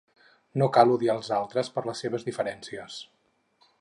No cal odiar els altres per les seves diferències.